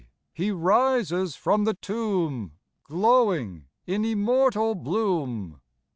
He rises from the tomb, Glowing in immortal bloom.